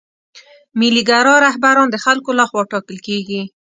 ملي ګرا رهبران د خلکو له خوا ټاکل کیږي.